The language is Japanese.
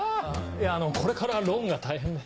いやこれからローンが大変で。